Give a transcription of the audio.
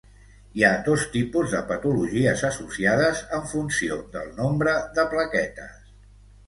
Hi ha dos tipus de patologies associades en funció del nombre de plaquetes.